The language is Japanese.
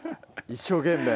一生懸命